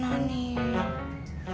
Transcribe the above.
datang nih cara bru nahan